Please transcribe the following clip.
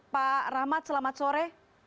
pak rahmat selamat sore